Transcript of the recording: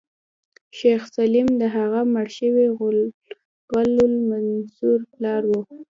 شیخ سلیم د هغه مړ شوي غل المنصور پلار و.